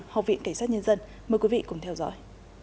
học viện cảnh sát nhân dân mời quý vị cùng theo dõi